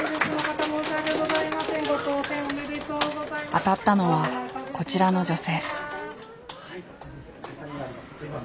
当たったのはこちらの女性。